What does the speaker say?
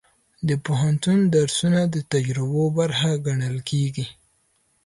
د پوهنتون درسونه د تجربو برخه ګڼل کېږي.